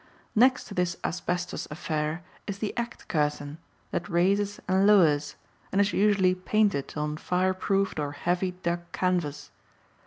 Next to this asbestos affair is the "act curtain," that raises and lowers, and is usually painted on fire proofed or heavy duck canvas.